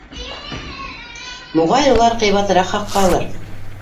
Моғайын, улар ҡыйбатыраҡ хаҡҡа алыр...